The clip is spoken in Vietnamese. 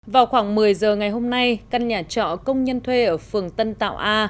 vào khoảng một mươi giờ ngày hôm nay căn nhà trọ công nhân thuê ở phường tân tạo a